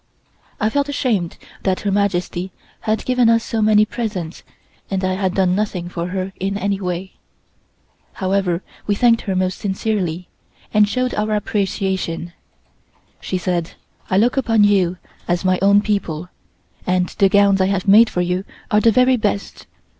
I felt ashamed that Her Majesty had given us so many presents and I had done nothing for her in any way. However, we thanked her most sincerely, and showed our appreciation. She said: "I look upon you as my own people, and the gowns I have made for you are the very best.